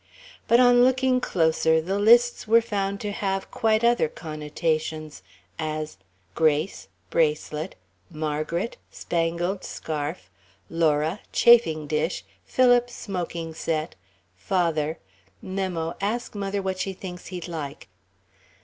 But on looking closer, the lists were found to have quite other connotations: as, Grace, bracelet; Margaret, spangled scarf; Laura, chafing dish; Philip, smoking set; Father (Memo: Ask mother what she thinks he'd like).